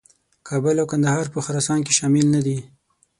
کابل او کندهار په خراسان کې شامل نه دي.